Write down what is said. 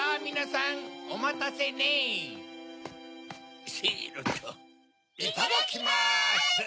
いただきます！